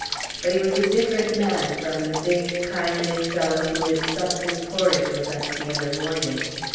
But he was a different man from the big, kindly fellow who had supped his porridge with us the other morning.